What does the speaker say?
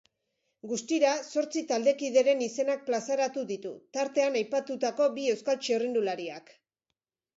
Guztira zortzi taldekideren izenak plazaratu ditu, tartean aipatutako bi euskal txirrindulariak.